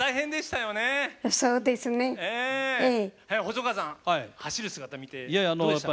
細川さん走る姿見てどうでした？